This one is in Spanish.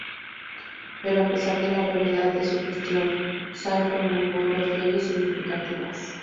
Pero, a pesar de la brevedad de su gestión, Sal promulgó dos leyes significativas.